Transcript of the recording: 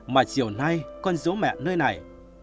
mà chiều nay con dố mẹ nơi này